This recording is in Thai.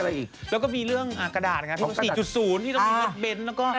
วิธีการที่ถูกต้องเป็นยังไง